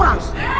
dia main curang